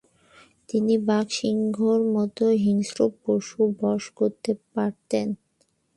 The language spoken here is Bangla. তিনি বাঘ, সিংহের মত হিংস্র পশু বশ করতে পারতেন।